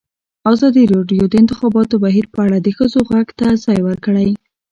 ازادي راډیو د د انتخاباتو بهیر په اړه د ښځو غږ ته ځای ورکړی.